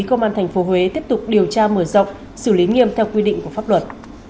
công an tp huế tiếp tục điều tra mở rộng xử lý nghiêm theo quy định của pháp luật